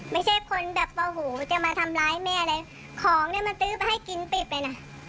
ไม่ใช่คนแบบว่าหูจะมาทำร้ายแม่อะไรของนี่มันซื้อไปให้กินปิดไปน่ะ